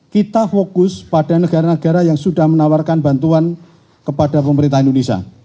kita fokus pada negara negara yang sudah menawarkan bantuan kepada pemerintah indonesia